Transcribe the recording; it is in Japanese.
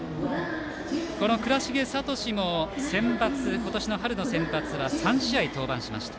この倉重聡も今年の春のセンバツは３試合登板しました。